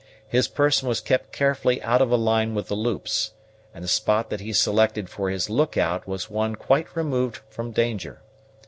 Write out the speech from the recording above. His person was kept carefully out of a line with the loops, and the spot that he selected for his look out was one quite removed from danger.